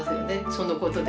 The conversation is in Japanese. そのことで。